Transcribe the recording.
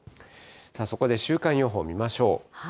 そこで週間予報見ましょう。